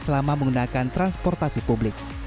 selama menggunakan transportasi publik